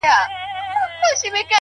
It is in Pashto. د حوصلې ځواک اوږدې لارې زغمي؛